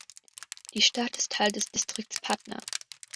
Die Stadt ist Teil des Distrikts Patna.